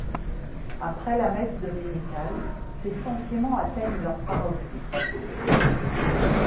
Après la messe dominicale, ses sentiments atteignent leur paroxysme.